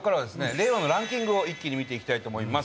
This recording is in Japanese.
令和のランキングを一気に見ていきたいと思います。